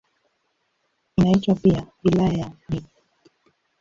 Inaitwa pia "Wilaya ya Nithi".